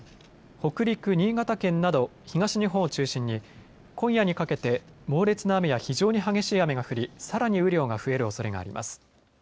北陸、新潟県など東日本を中心に今夜にかけて猛烈な雨や非常に激しい雨が降り、さらに雨量が増えるおそれがあります。